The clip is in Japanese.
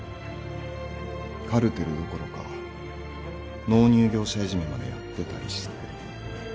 カルテルどころか納入業者いじめまでやってたりして。